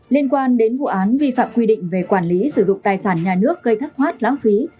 liên quan đến vụ án vi phạm quy định về quản lý sử dụng tài sản nhà nước gây thất thoát lãng phí